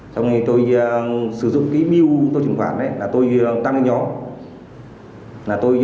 xong rồi tôi sử dụng cái mưu tôi truyền khoản tôi tăng lên nhỏ